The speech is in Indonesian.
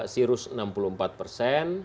sirus enam puluh empat persen